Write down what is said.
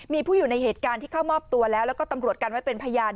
มีผู้อยู่ในเหตุการณ์ที่เข้ามอบตัวแล้วแล้วก็ตำรวจกันไว้เป็นพยาน